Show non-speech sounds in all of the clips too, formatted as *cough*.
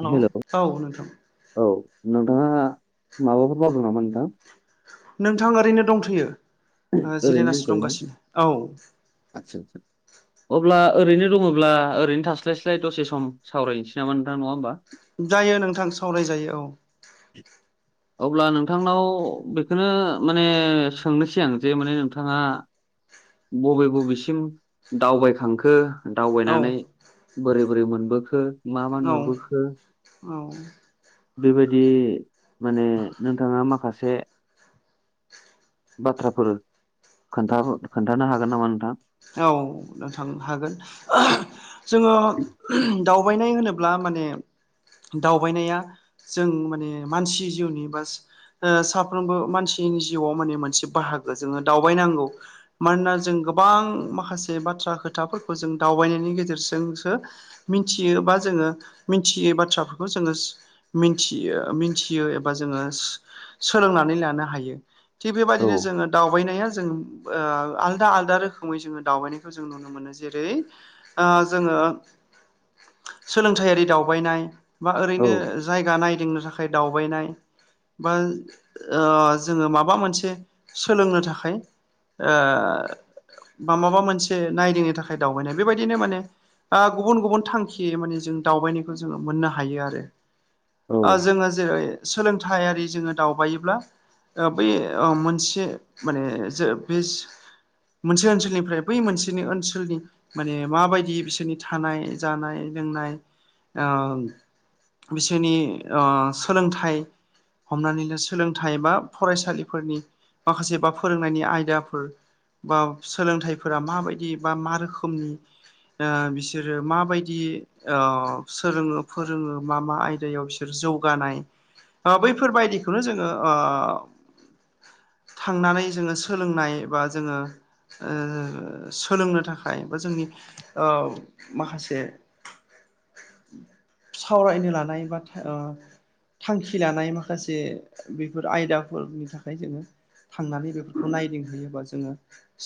Hello hello औ नोंथां औ नोंथाङा माबाफोर मावदों नामा नोंथां नोंथां ओरैनो दंथ'यो जिरायनासो दंगासिनो औ दे आतसा अब्ला ओरैनो दङब्ला ओरैनो थास्लायस्लाय दसे सम सावरायनोसै नामा नोंथां नङा होमबा जायो नोंथां सावरायजायो औ अब्ला नोंथांनाव बेखौनो माने सोंनोसै आं जे माने नोंथाङा बबे बबेसिम दावबायखांखो दावबायनानै औ बोरै बोरै मोनबोखो मा मा औ नुबोखो औ बेबायदि माने नोंथाङा माखासे बाथ्राफोर खोनथा खोन्थानो हागोन नामा नोंथां औ नोंथां हागोन जोङो दावबायनाय होनोब्ला माने दावबायनाया जों माने मानसि जिउनि बा साफ्रोमबो मानसिनि जिउआव माने मोनसे बाहागो जोङो दावबायनांगौ मानोना जों गोबां माखासे बाथ्रा खोथाफोरखौ जों दावबायनायनि गेजेरजोंसो मिथियो बा जोङो मिथियै बाथ्राफोरखौ जोङो मिथियो मिथियो एबा जोङो सोलोंनानै लानो हायो थिग औ बेबायदिनो जोङो दावबायनाया जों आलदा आलदा रोखोम रोखोमै जोङो दावबायनायखौ जों नुनो मोनो जेरै जोङो सोलोंथायाइारि दावबायनाय बा औ ओरैनो जायगा नायदिंनो थाखाय दावबायनाय बा जोङो माबा मोनसे सोलोंनो थाखाय बा माबा मोनसे नायदिंनो थाखाय दावबायनाय बेबायदिनो माने गुबुन गुबुन थांखि माने जों दावबायनायखौ जोङो मोननो हायो आरो औ जोङो जेरै सोलोंथाइारि जोङो दावबायोब्ला बै मोनसे माने जो बेस मोनसे ओनसोलनिफ्राय बै मोनसेनि ओनसोलनि माने माबायदि बिसोरनि थानाय जानाय लोंनाय बिसोरनि सोलोंथाइ हमनानैनो सोलोंथाइ बा फरायसालिफोरनि माखासे बा फोरोंनायनि आयदाफोर बा सोलोंथाइफोरा माबायदि बा मा रोखोमनि बिसोरो माबायदि सोलोङो फोरोङो मा मा आयदायाव बिसोर जौगानाय बैफोरबायदिखौनो जोङो थांनानै जोङो सोलोंनाय बा जोङो सोलोंनो थाखाय बा जोंनि माखासे *inaudible* सावरायनो लानाय बा ओ थांखि लानाय माखासे बेफोर आयदाफोरनि थाखाय जोङो थांनानै बेफोरखौ नायदिंहोयोबा जोङो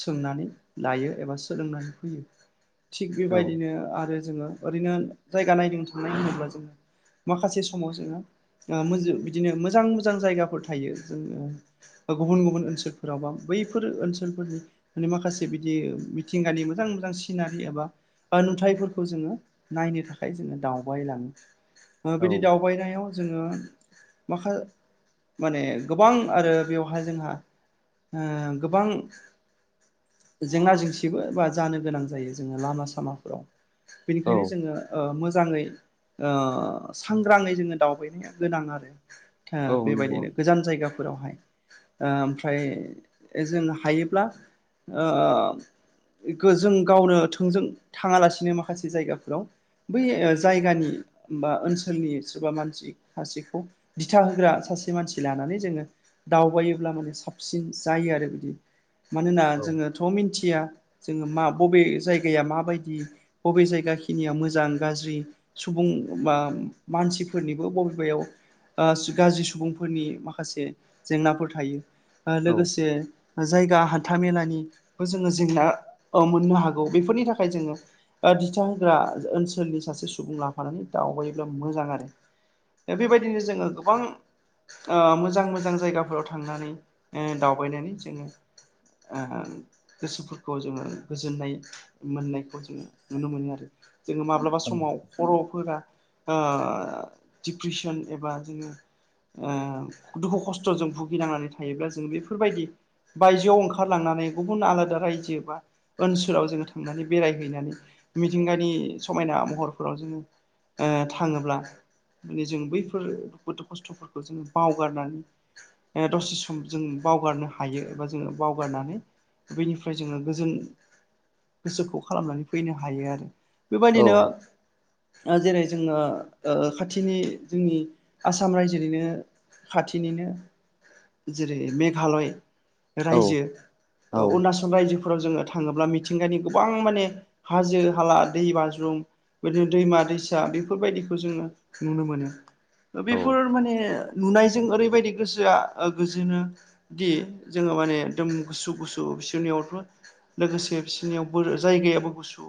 सोंनानै लायो एबा सोलोंनानै फैयो थिग औ बेबायदिनो आरो जोङो ओरैनो जायगा नायदिंनो थांनाय होनोब्ला जोङो माखासे समाव जोङोो बिदिनो मोजां मोजां जायगाफोर थायो जोङो ब गुबुन गुबुन ओनसोलफोराव बा बैफोर ओनसोल ओनसोलफोरनि माने माखासे बिदि मिथिंगानि मोजां मोजां सिनारि एबा नुथायाइफोरखौ जोङो नायनो थाखाय जोङो दावबायलाङो बिदि औ दावबायनायाव जोङो माखा माने गोबां आरो बेवहाय जोंहा ओ गोबां जेंना जेंसिबो बा जानो गोनां जायो जोङो लामा सामाफोराव औ बेनिखायनो जोङो मोजाङै सांग्राङै जोङो दावबायनाया गोनां आरो औ नंगौ बेबायदिनो गोजान जायगाफोरावहाय ओमफ्राय जों हायो ब्ला ओ बेखौ‌ जों गावनो थोंजों थाङालासिनो माखासे जायगाफोराव बै जायगानि बा ओनसोलनि सोरबा मानसि सासेखौ दिथा होग्रा सासे मानसि लानानै जोङो दावबायोब्ला माने साबसिन जायो आरो बिदि मानोना औ जोङोथ' मिथिया जोङो मा बबे जायगाया माबायदि बबे जायगा खिनिया मोजां गाज्रि सुबुं बा मानसिफोरनिबो बबेबायाव ओ गाज्रि सुबुंफोरनि माखासे जेंनाफोर थायो। ओ औ लोगोसे जायगा हान्था मेलानिबो जोङो जेंना मोननो हागौ बेफोरनि थाखाय जोङो दिथा होग्रा ओनसोलनि सासे सुबुं लाफानानै दावबायोब्ला मोजां आरो। दा बेबायदिनो जोङो गोबां ओ मोजां मोजां जायगाफोराव थांनानै दावबायनानै जोङो ओ गोसोफोरखौ जोङो गोजोननाय मोननायखौ जोङो नुनो मोनो आरो जोङो माब्ला माबा औ समाव खर'फोरा ओ दिप्रेसन एबा जोङो ओ दुखु खस्थ'जों भुगिनांनानै थायोब्ला जों बेफोरबायदि बायजोआव ओं ओखारलांनानै गुबुन आलादा रायजो बा ओनसोलाव जोङो थांनानै बेरायहैनानै मिथिंगानि समायना महरफोराव जोङो ओ थाङोब्ला माने जों बैफोर दुखु खस्थ'फोरखौ जोङो बावगारनानै ओ दसे सम जों बावगारनो हायो एबा जोङो बावगारनानै बेनिफ्राय जोङो गोजोन गोसोखौ खालामनानै फैनो हायो आरो बेबायदिनो जेरै जोङो ओ खाथिनि जोंनि आसाम रायजोनिनो खाथिनिनो जेरै मेघालय औ रायजो औ अरुणाचल रायजो फोराव जोङो थाङोब्ला मिथिंगानि गोबां माने हाजो हाला दै बाज्रुम बिदिनो दैमा दैसा बेफोरबायदिखौ जोङो नुनो मोनो। बेफोर औ माने नुनायजों ओरैबायाददि गोसोआ गोजोनो दि जोङो माने एकदम गुसु गुसु बिसोरनियावथ' लोगोसे बिसनियाव बोर जायगायाबो गुसु।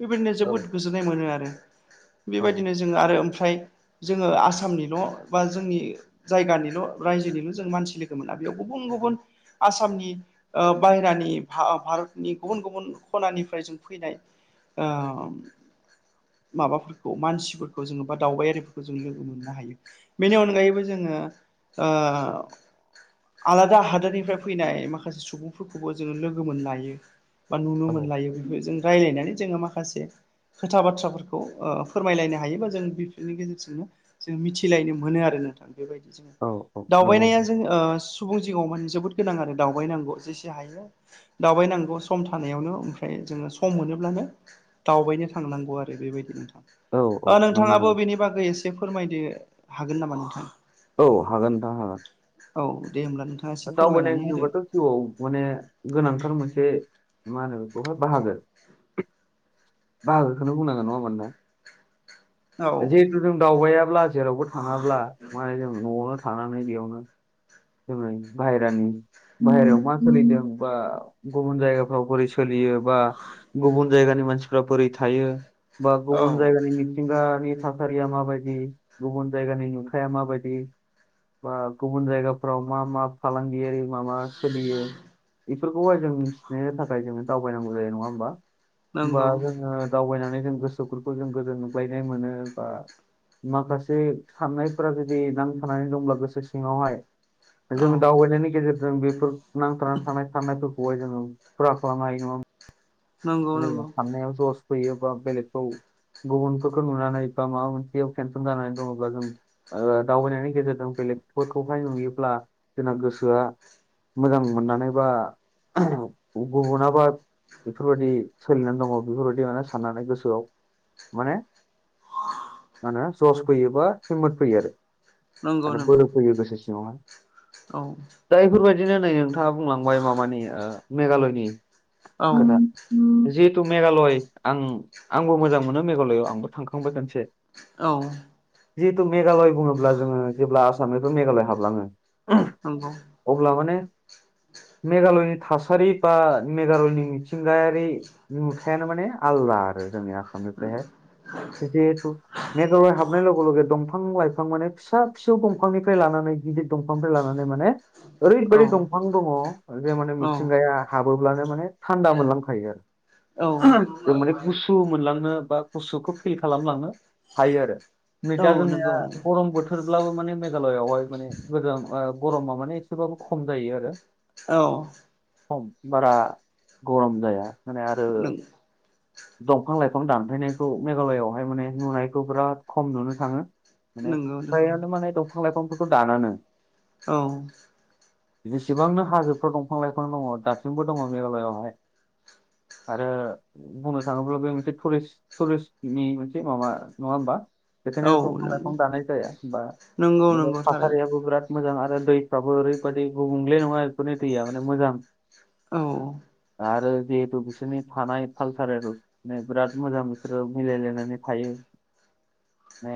बेबायदिनो जोबोद गोजोननाय मोनो आरो बेबायदिनो जोंङो आरो ओमफ्राय जोंङो आसामनिल' बा जोंनि जायगानिल' रायजोनिल' जों मानसि लोगोमोना बेयाव गुबुन गुबुन आसामनि बाहेरानि भारतनि गुबुन गुबुन खनानिफ्राय जों फैनाय ओम माबाफोरखौ मानसिफोरखौ जोङो बा दावबायारिफोरखौ जों लोगो मोननो हायो। बेनि अनगायैबो जोंङो ओ आलादा हादोरनि निफ्राय फैनाय माखासे सुबुंफोरखौबो जोंङो लोगो मोनलायो बा औ नुनो मोनलायो बेखौ जों रायज्लायनानै जोंङो माखासे खोथा बाथ्राफोरखौ फोरमायलायनो हायो बा जों बिफोरलनि गेजेरजोंनो जों मिथिलायनो मोनो आरो नोंथां। बेबायदि जोंङो औ औ नंगौ दावबायनाया जों सुबुं जिगाङाव माने जोबोद गोनां आरो दावबायनांगौ जेसे हायो दावबायनांगौ सम थानायावनो ओमफ्राय जोंङो सम मोनोब्लानो दावबायनो थांनांगौ आरो बेबायदि औ औ ओ नोंथाङाबो नंगौ बेनि बागै एसे फोरमायनो हागोन नामा नोंथां? औ हागोन नोंथां हागोन। औ दे होमब्ला नोंथाङा एसे दावबायनाय फोरमायनानै होदो होनबाथ' जिउआव माने गोनांथार मोनसे मा होनो बेवहाय बाहागो बाहागोखौनो बुंनांगोन नङा होनबा नोंथां? औ जे जों दावबायाब्ला जेरावबो थाङाब्ला माने जों न'आवनो थानानै बेयावनो *unintelligible* बाहेरानि बाहेरायाव मा सोलिदों बा गुबुन जायगाफ्राव बोरै सोलियो बा गुबुन जायगानि मानसिफ्रा बोरै थायो बा औ गुबुन जायगानि मिथिंगानि थासारिया माबायदि गुबुन जायगानि नुथाया माबायदि बा गुबुन जायगाफ्राव मा मा फालांगियारि मा मा सोलियो बेफोरखौहाय जों मिथिनो थाखाय जोंङो दावबायनांगौ जायो नङा होमबा? होमबा नंगौ जोङो दावबायनानै जों गोसोफोरखौ जों गोजोनग्लायनाय मोनो बा माखासे साननायफोरा जुदि नांथानानै दंब्ला गोसो सिङावहाय औ जों दावबाय नाय गेजेरजों बेफोर नांथारनानै थानाय साननायफोरखौहाय जोंङो फुरा खालामनो हायो नंङा नंगौ नंगौ सानायाव जस फैयो बा बेलेकखौ गुबुनफोरखौ नुनानै बा माबा मोनसेयाव टेनसन जानानै दंङोबा जों दावबायनायनि गेजेरजों बेलेगफोरखौहाय नुयोब्ला जोंना गोसोआ मोजां मोननानै बा गुबुनाबा बेफोरबायदि सोलिनानै दंङो बेफोरबायदि माने साननानै गोसोआव माने मा होनो जस फैयोबा हिमत फैयो आरो। नंगौ आरो नंगौ बोलो गोसो सिंङावहाय औ दा बेफोरबायदिनो नै नोंथांङा बुंलांबाय माबानि मेघालयनि औ खोथा जिहेतु मेघालय आं आंबो मोजां मोनो मेघालआव आंबो थांखांबाय खोनसे औ जिहेथु मेघालय बुंङोब्ला जोंङो जेब्ला आसामनिथ' मेघालय हाबलाङो नंगौ अब्ला माने मेघालयनि थासारि बा मेघालयनि मिथिं थिंगायारि नुथायानो माने आलदा आरो जोंनिया जिहेतु मेघालय हाबनाय लोगो लोगोे दंफां लाइफां माने फिसा फिसौ दंफांनिफ्राय लानानै गिदिर दंफांनिफ्राय लानानै माने औ ओरैबायदि दंफां दंङो ओरै माने औ मिथिंगाया हाबोब्लानो माने थायो आरो औ जों माने गुसु मोनलांनो बा गुुसुखौ फिल खालामांनो हायो आरो नै दा औ जोंनिया नंगौ नंगौ गरम बो थोरब्लाबो माने मेघालयावहाय माने गोजान गरमा माने एसेबाबो खम जायो आरो। औ खम बारा गरम जाया माने आरो नंगौ दंफां लाइफां दानफायनायखौ मेघालयावहाय माने नुनायखौ बिराद खम नुनो थाङो। माने नंगौ फ्रायानो माने दंफां लाइफांफोरखौ दानानानै औ जिसिबांनो हाजोफ्राव दंफां लाइफां दङ दासिमबो दङ मेघालयावहाय आरो बुंनो थाङोब्ला बे मोनसे टुरिस्ट टुरिस्टनि मोनसे माबा नङा होमबा? बिखायनो दंफां नंगौ लाइफां दानाय जाया बा नंगौ माने नंगौ थारैनो थासारियाबो बिराद मोजां आरो दैफ्राबो ओरैबायादि गुबुंले नङा एफोरनि दैया माने मोजां औ आरो जिहेतु बिसिनि थानाय कालसारेलनो बिराद मोजां बिसोरो मिलायलायनानै थायो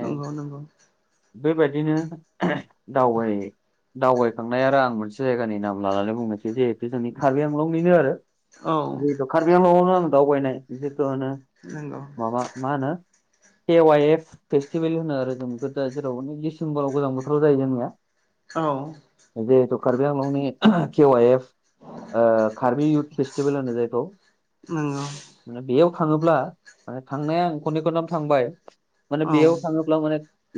नंगौ नंगौ बैबायदिनो दावबाय दावबायखांनाय आरो आं मोनसे जायगानि नाम लानानै बुंनोसै जिहेथु जोंनि कार्बि आंलंनिनो आरो औ जिथु कारबि आंलंआवनो आं दावबानाय जिथु होनो नंगौ माबा मा होनो के वाइ एफ फेस्टिभेल होनो आरो जों बेफोर दा जेराव माने दिसेम्बराव गोजां बोथोराव जायो जोंनिया औ जिहेतु कार्बि आंलंनि K Y F Karbi youth festival होनो जायखौ नंगौ माने बेयाव थाङोब्ला माने थांनाया आं खननै खनथाम थांबाय माने औ बेयाव थाङो ब्ला माने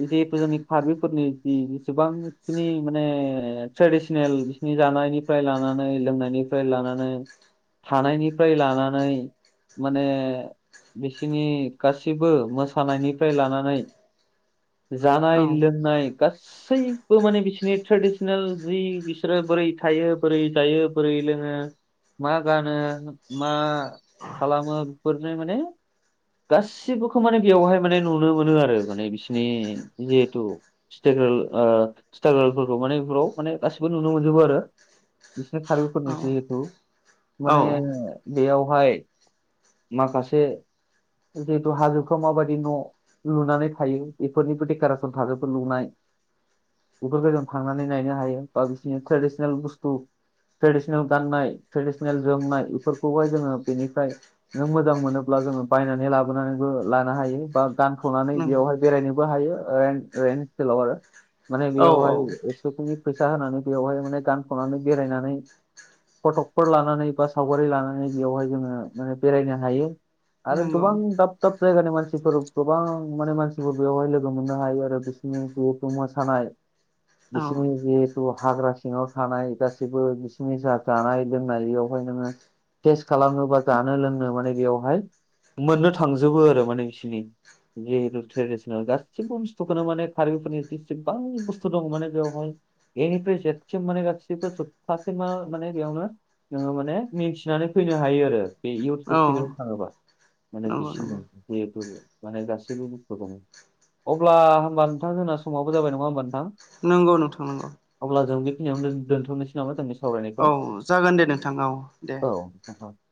जिहेथु जोंनि कार्बिफोरनि जि जसेबांखिनि माने ट्रेडिसनेल नि जानायनिफ्राय लानानै लोंनायनिफ्राय लानानै थानायनिफ्राय लाना नै माने बिसिनि गासिबो मोसानायनिफ्राय लानानै औ जानाय लोंनाय गा सैबो माने बिसोरनि ट्रेडिसनेल जि बिसोरो बोरै थायो बोरै जायो बोरै लोङो मा गानो मा खालामो बेफोरनो माने गासिबोखौ माने बेवहाय माने नुनो मोनो आरो माने बिसिनि जिहेथु स्टेगोल ओ स्ट्रागोलफोरखौ माने बेफोराव माने गासिबो नुनो मोनजोबो आरो बिसोर कारबिफोरनि जिहेथु औ माने बेयाव बेवहाय माखासे जिहेतु हाजोफ्राव माबायदि न' लुनानै थायो बेफोरनिबो डेक'रेसन थाजोबो लुनाय बेफोरखौ जों थांनानै नायनो हायो बा बिसोरनि ट्रेडिसनेल बुस्थु ट्रेडिसनेल गाननाय ट्रेडिसनेल जोमनाय बेफोरखौहाय जोङो बेनिफ्राय नों मोजां मोनोब्ला जोङो बायनानै लाबोनानैबो लानो हायो बा गान थ'नानै नंगौ बेयावहाय बेरायनोबो हायो रेन्ट रेन्ट स्ताइलाव आरो माने औ बेयावहाय स'सोनि फैसा होनानै बेवहाय माने गानथ'नानै बेरायनानै फटकफोर लानानै बा सावगारि लानानै बेयावहाय जोङो माने बेरायनो हायो आरो गोबां नंगौ दाब दाब जायगानि मानसिफोर गोबां माने मानसिफोर बेवहाय लोगो मोननो हायो आरो *unintelligible* मोसानाय बिसिनि औ जिहेतु हाग्रा सिङाव थानाय गासैबो बिसिनि जा जानाय लोननायाव *unintelligible* खालामनो बा जानो लोंनो माने बेयावहाय मोननो थांजोबो आरो माने बिसनि जिहेतु ट्रेडिसनेल गासिबो बुस्थुखौनो माने कारबिफोरनि जसेबां बुस्थु दङ माने बेवहाय ए निफ्राय जेथसिम माने गासिबो सप्थासे मा माने बेयावनो ङो माने मिथिनानै फैनो हायो आरो बे इयउथ औ फेस्टिभेल थाङोबा माने नंगौ बिसिनि नंगौ जिहेथु माने गासैबो बसथुखौनो अब्ला होमबा नोंथां जोंना समावबो जाबाय नङा होमबा नोंथां नंगौ नोंथां नगौ अब्ला जों बेखिनियावनो दोनथ'नोसै नामा जोंनि सावरायनायखौ? औ जागोन दे नोंथां औ दे *unintelligible*